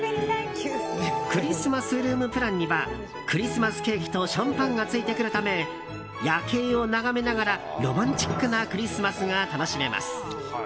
クリスマスルームプランにはクリスマスケーキとシャンパンがついてくるため夜景を眺めながらロマンチックなクリスマスが楽しめます。